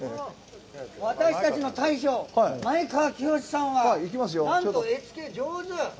私たちの大将前川清さんはなんと絵付け、上手。